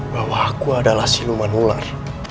bahwa aku adalah sinuman ular